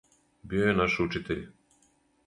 Био је наш учитељ.